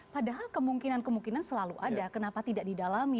padahal kemungkinan kemungkinan selalu ada kenapa tidak didalami